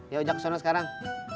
ya jack kesana sekarang